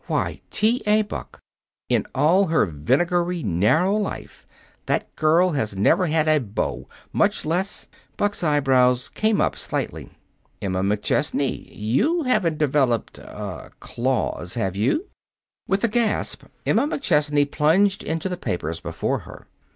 "Why, T. A. Buck, in all her vinegary, narrow life, that girl has never had a beau, much less " Buck's eyebrows came up slightly. "Emma McChesney, you haven't developed er claws, have you?" With a gasp, Emma McChesney plunged into the papers before her.